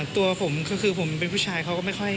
ตัวผมก็คือผมเป็นผู้ชายเขาก็ไม่ค่อย